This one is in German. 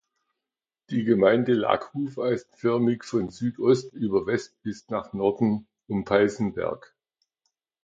Die Gemeinde lag hufeisenförmig von Südost über Westen bis nach Norden um Peißenberg.